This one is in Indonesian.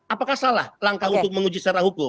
apakah salah langkah untuk menguji secara hukum